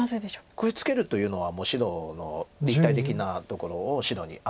これツケるというのはもう白の立体的なところを白に与えるという。